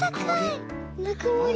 ぬくもり。